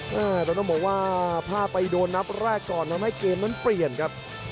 แต่ต้องบอกว่าถ้าไปโดนนับแรกก่อนทำให้เกมนั้นเปลี่ยนครับ